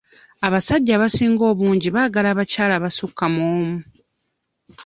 Abasajja abasinga obungi baagala abakyala abasukka mu omu.